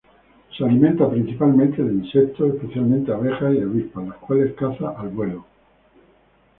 Se alimenta principalmente de insectos, especialmente abejas y avispas, las cuales caza al vuelo.